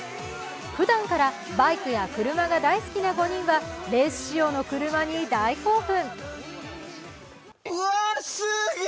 ふだんからバイクや車が大好きな５人はレース仕様の車に大興奮。